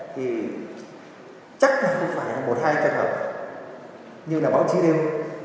thì chắc là không phải một hai trường hợp như là báo chí đều